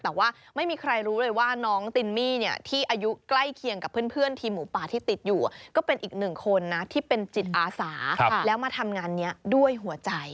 แต่ไม่มีใครรู้เลยว่าน้องตินมี่ที่อายุใกล้เคียงกับเบื้อนอีกหนึ่งที่เป็นจิตอาสาแล้วมาทำงานนี้ด้วยหัวใจ